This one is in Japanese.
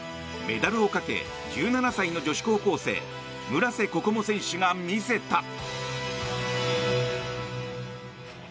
メダルをかけ１７歳の女子高校生村瀬心椛選手が見せた。